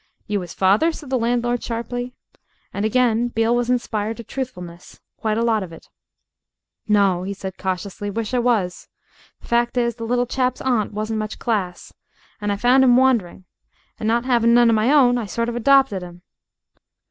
"You 'is father?" said the landlord sharply. And again Beale was inspired to truthfulness quite a lot of it. "No," he said cautiously, "wish I was. The fact is, the little chap's aunt wasn't much class. An' I found 'im wandering. An' not 'avin' none of my own, I sort of adopted 'im."